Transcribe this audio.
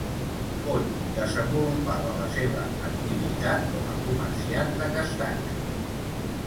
On desenvolupava la seva activitat com a comerciant de castanyes?